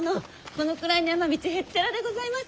このくらいの山道へっちゃらでございます！